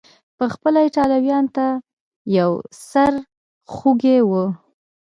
پخپله ایټالویانو ته یو سر خوږی و.